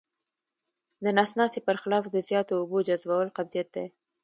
د نس ناستي پر خلاف د زیاتو اوبو جذبول قبضیت دی.